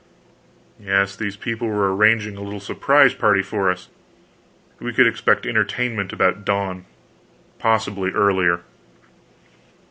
Yes, these people were arranging a little surprise party for us. We could expect entertainment about dawn, possibly earlier.